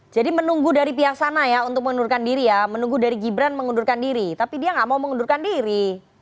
jadi menunggu dari pihak sana ya untuk mengundurkan diri ya menunggu dari gibran mengundurkan diri tapi dia nggak mau mengundurkan diri